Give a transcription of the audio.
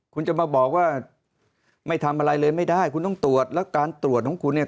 คุณจะมาบอกว่าไม่ทำอะไรเลยไม่ได้คุณต้องตรวจแล้วการตรวจของคุณเนี่ย